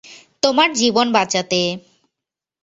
তোমার জীবন বাচাঁতে।